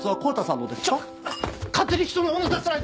ちょっ勝手に人のもの出さないで！